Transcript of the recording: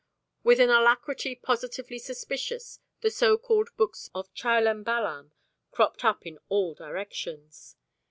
With an alacrity positively suspicious the so called books of Chilan Balam cropped up in all directions.